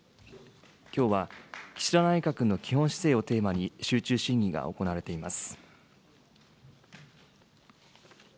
きょうは岸田内閣の基本姿勢をテーマに集中審議が行われています。